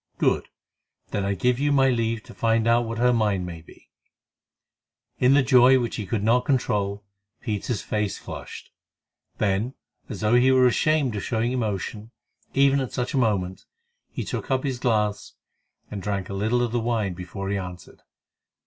"Good! Then I give you my leave to find out what her mind may be." In the joy which he could not control, Peter's face flushed. Then, as though he were ashamed of showing emotion, even at such a moment, he took up his glass and drank a little of the wine before he answered.